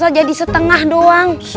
muhtar jadi setengah doang